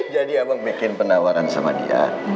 jadi abang bikin penawaran sama dia